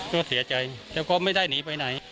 ก็เสียใจแล้วก็ไม่ได้หนีไปไหน